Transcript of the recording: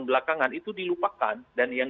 belakangan itu dilupakan dan yang